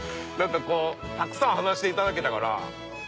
何かこうたくさん話していただけたから。